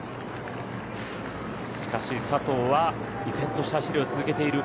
しかし、佐藤は依然として走りを続けている。